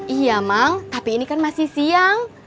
iya mang tapi ini kan masih siang